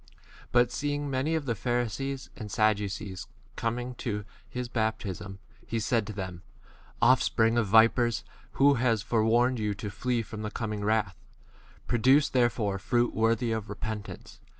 7 But seeing many of the Phari sees and Sadducees coming to his baptism, he said to them, Off spring of vipers, who has fore warned yon to flee from the com I 8 ing wrath ? Produce therefore 9 fruit p worthy of repentance.